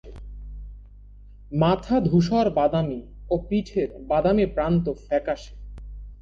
মাথা ধূসর-বাদামী ও পিঠের বাদামি প্রান্ত ফ্যাকাসে।